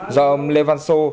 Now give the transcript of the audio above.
do ông lê văn sô